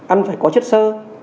ăn phải có chất sơ